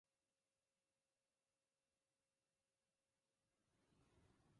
電線の上にたくさんの鳥がいる。